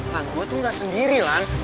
lan gue tuh gak sendiri lan